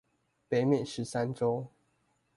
北美十三州